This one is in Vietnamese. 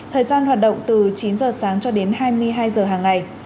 thời gian hoạt động từ chín giờ sáng cho đến hai mươi hai giờ hàng ngày